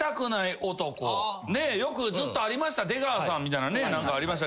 よくずっとありました出川さんみたいなね。